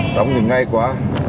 tống thì ngay quá